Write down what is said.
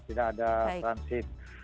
tidak ada transit